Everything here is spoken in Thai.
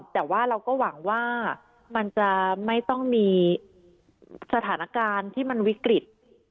แต่ว่าเราก็หวังว่ามันจะไม่ต้องมีสถานการณ์ที่มันวิกฤต